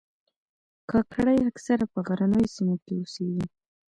کاکړي اکثره په غرنیو سیمو کې اوسیږي.